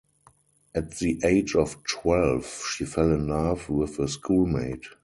At the age of twelve she fell in love with a schoolmate.